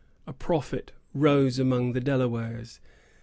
A prophet rose among the Delawares.